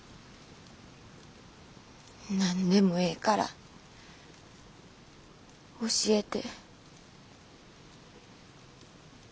何でもええから教えて。